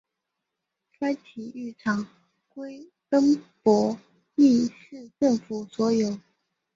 该体育场归恩波利市政府所有。